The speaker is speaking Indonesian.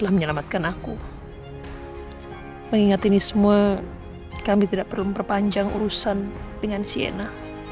yang melamatkan aku mengingat ini semua kami tidak perlu memperpanjang urusan dengan sienna